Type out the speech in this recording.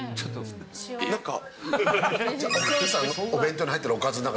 なんか。